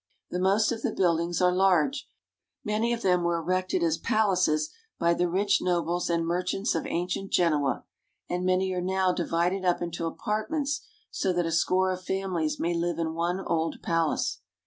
The most of the buildings are large; many of them were erected as palaces by the rich nobles and merchants of ancient Genoa, and many are now divided up into apartments so that a score of families may live in one old palace.